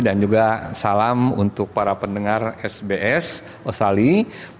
dan juga salam untuk para pendengar sbs australia